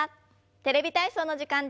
「テレビ体操」の時間です。